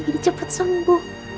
jadi cepet sembuh